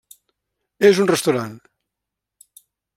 És un restaurant.